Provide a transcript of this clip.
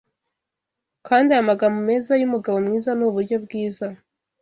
kandi aya magambo meza yumugabo mwiza nuburyo bwiza